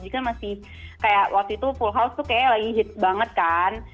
jadi kan masih kayak waktu itu full house tuh kayak lagi hit banget kan